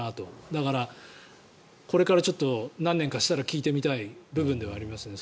だから、これから何年かしたら聞いてみたい部分ではありますね。